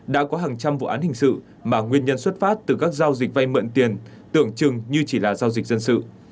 đã có hàng trăm vụ án hình sự mà nguyên nhân xuất phát từ các giao dịch vay mượn tiền tưởng chừng như chỉ là giao dịch dân sự